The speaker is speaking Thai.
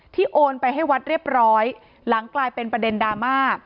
โอนไปให้วัดเรียบร้อยหลังกลายเป็นประเด็นดราม่า